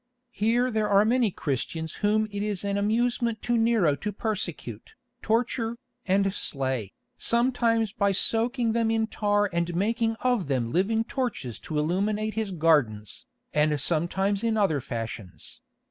Here there are many Christians whom it is an amusement to Nero to persecute, torture, and slay, sometimes by soaking them in tar and making of them living torches to illuminate his gardens, and sometimes in other fashions.